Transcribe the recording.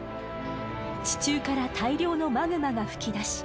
地中から大量のマグマが噴き出し